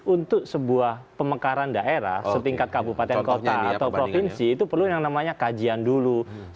untuk sebuah pemekaran daerah setingkat kabupaten kota atau provinsi itu perlu yang namanya kajian dulu